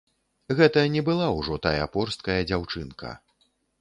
Гэта не была ўжо тая порсткая дзяўчынка.